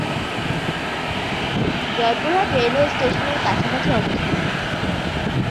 Joypurhat railway station এর কাছাকাছি অবস্থিত।